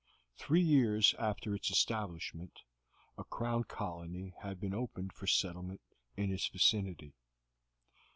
Three years after its establishment a Crown colony had been opened for settlement in its vicinity.